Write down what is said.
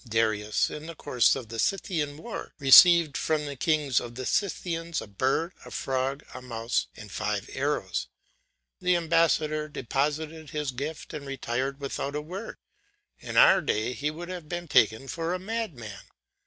Darius, in the course of the Scythian war, received from the king of the Scythians a bird, a frog, a mouse, and five arrows. The ambassador deposited this gift and retired without a word. In our days he would have been taken for a madman.